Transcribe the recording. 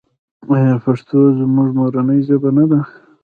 آیا پښتو زموږ مورنۍ ژبه نه ده؟